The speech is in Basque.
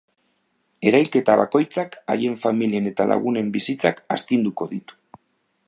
Erailketa bikoitzak haien familien eta lagunen bizitzak astinduko ditu.